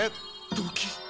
ドキッ。